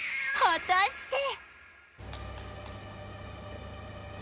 果たして